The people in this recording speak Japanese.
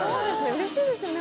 うれしいですよね